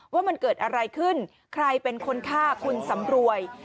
ว่ามันเกิดอะไรขึ้นใครเป็นคนฆ่าคุณสำรวย